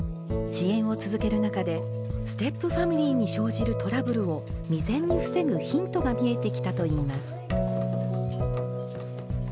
支援を続ける中でステップファミリーに生じるトラブルを未然に防ぐヒントが見えてきたといいます。